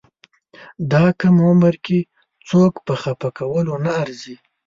دا کم عمر کې څوک په خپه کولو نه ارزي.